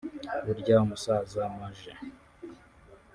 burya umusaza Maj